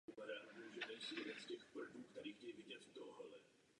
Postupné změny v krajině probíhaly od příchodu lidí po staletí.